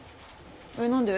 えっ何で？